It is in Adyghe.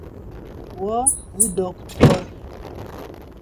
Vo vudoktor?